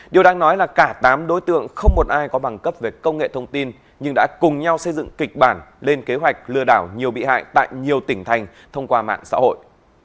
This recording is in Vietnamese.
điều đang nói là cả tám đối tượng không một ai có bằng cấp về công nghệ thông tin nhưng đã cùng nhau xây dựng kịch bản lên kế hoạch lừa đảo nhiều bị hại tại nhiều tỉnh thành thông qua mạng xã hội